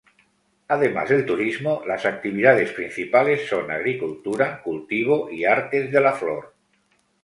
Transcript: Además del turismo, las actividades principales son agricultura, cultivo y artes de la flor.